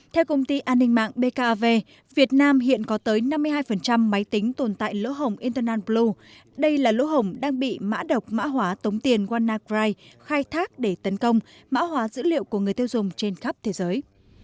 theo công ty an ninh mạng bkv việt nam hiện có tới năm mươi hai máy tính tồn tại lỗ hồng interna plu đây là lỗ hồng đang bị mã độc mã hóa tống tiền wannacride khai thác để tấn công mã hóa dữ liệu của người tiêu dùng trên khắp thế giới